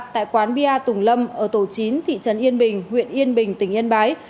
tại quán bia tùng lâm ở tổ chín thị trấn yên bình huyện yên bình tỉnh yên bái